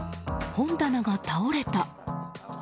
本棚が倒れた。